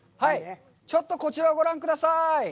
ちょっとこちらをご覧ください！